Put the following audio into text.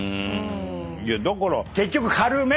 だから結局軽め！